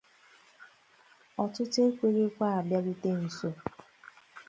Ọtụtụ ekweghịkwa abịarute nso